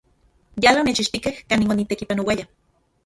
Yala onechkixtikej kanin onitekipanoaya.